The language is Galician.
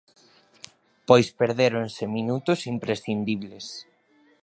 Pois perdéronse minutos imprescindibles.